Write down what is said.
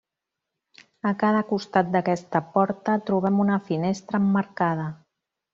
A cada costat d'aquesta porta trobem una finestra emmarcada.